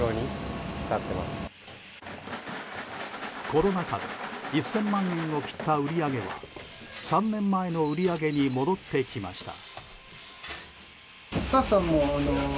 コロナ禍で１０００万円を切った売り上げは３年前の売り上げに戻ってきました。